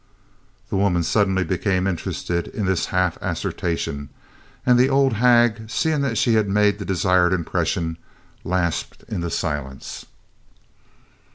The women suddenly became interested in this half assertion, and the old hag, seeing that she had made the desired impression, lapsed into silence.